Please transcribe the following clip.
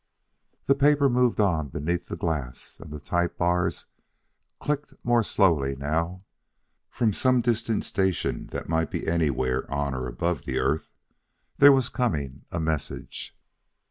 The paper moved on beneath the glass, and the type bars clicked more slowly now. From some distant station that might be anywhere on or above the earth, there was coming a message.